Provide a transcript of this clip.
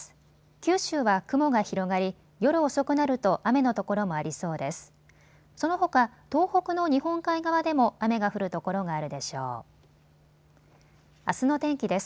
九州は雲が広がり、夜遅くなると雨の所もありそうです。